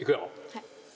はい。